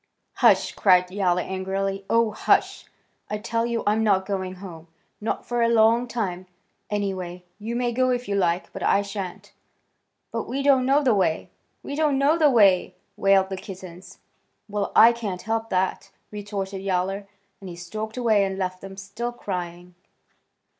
"Hush!" cried Yowler angrily. "Oh, hush! I tell you I'm not going home. Not for a long time, anyway. You may go if you like, but I shan't." "But we don't know the way! We don't know the wa y y y!" wailed the kittens. "Well, I can't help that," retorted Yowler, and he stalked away and left them still crying.